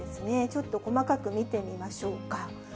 ちょっと細かく見てみましょうか。